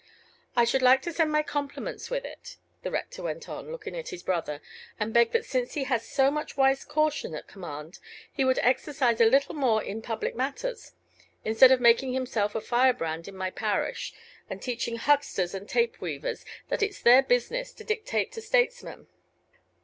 I should like to send my compliments with it," the rector went on, looking at his brother, "and beg that since he has so much wise caution at command, he would exercise a little in more public matters, instead of making himself a firebrand in my parish, and teaching hucksters and tape weavers that it's their business to dictate to statesmen."